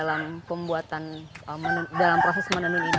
ini merupakan tahap terakhir ya dalam proses menenun ini